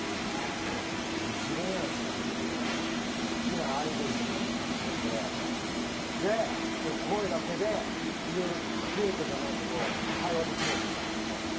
疑似恋愛じゃないけど好きなアイドルとかの写真があれば、声だけでいろいろ、デートじゃないけど会話できるわけでしょ。